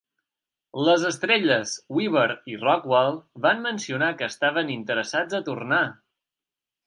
Les estrelles Weaver i Rockwell van mencionar que estaven interessats a tornar.